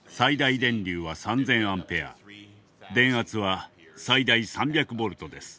電圧は最大３００ボルトです。